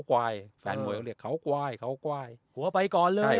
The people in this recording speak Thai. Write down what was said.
กวายแฟนมวยเขากวายเขากวายหัวไปก่อนเลย